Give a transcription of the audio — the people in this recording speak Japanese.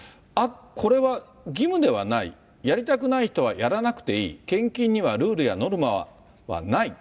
これは義務ではない、やりたくない人はやらなくていい、献金にはルールやノルマはない。